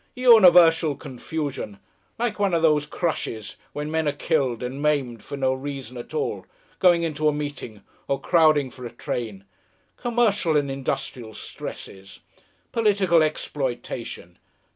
Universal confusion. Like one of those crushes when men are killed and maimed for no reason at all, going into a meeting or crowding for a train. Commercial and Industrial Stresses. Political Exploitation.